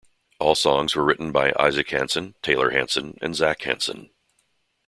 All songs written by Isaac Hanson, Taylor Hanson and Zac Hanson.